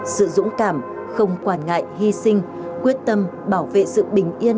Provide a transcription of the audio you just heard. sự dũng cảm không quản ngại hy sinh quyết tâm bảo vệ sự bình yên